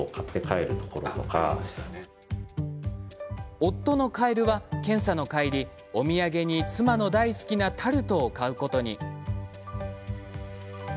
夫のカエルは検査の帰りお土産に妻の大好きなタルトを買うことに。